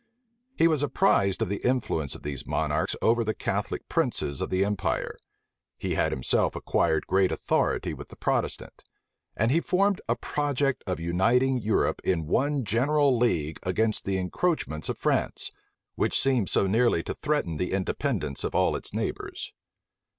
He was apprised of the influence of these monarchs over the Catholic princes of the empire: he had himself acquired great authority with the Protestant: and he formed a project of uniting Europe in one general league against the encroachments of France, which seemed so nearly to threaten the independence of all its neighbors.